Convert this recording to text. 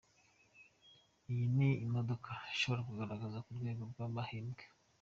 Iyi ni imodoka ishobora kukugaragaza mu rwego rw’abaherwe.